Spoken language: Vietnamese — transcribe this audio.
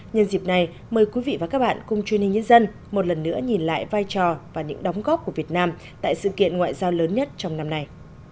nhân dịp này mời quý vị và các bạn cùng truyền hình nhân dân một lần nữa nhìn lại vai trò và những đóng góp của việt nam tại sự kiện ngoại giao lớn nhất trong năm nay